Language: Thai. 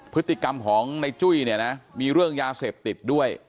พฤติกรรมของในจุ้ยเนี่ยนะมีเรื่องยาเสพติดด้วย